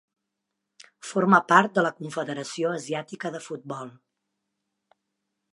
Forma part de la Confederació Asiàtica de Futbol.